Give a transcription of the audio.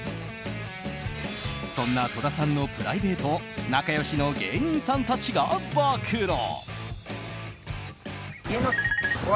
そんな戸田さんのプライベートを仲良しの芸人さんたちが暴露！